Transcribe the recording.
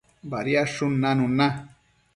Badiadshun nanun na